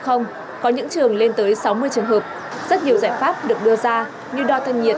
không có những trường lên tới sáu mươi trường hợp rất nhiều giải pháp được đưa ra như đo thân nhiệt